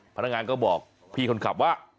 พนักงานก็บอกพี่คนขับว่า